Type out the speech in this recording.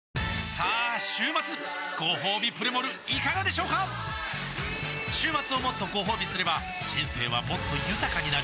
さあ週末ごほうびプレモルいかがでしょうか週末をもっとごほうびすれば人生はもっと豊かになる！